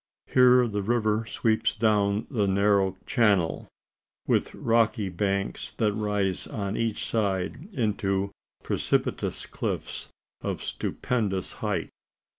Here the river sweeps down a narrow channel, with rocky banks that rise on each side into precipitous cliffs of stupendous height.